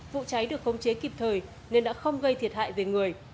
vụ cháy được khống chế kịp thời nên đã không gây thiệt hại về người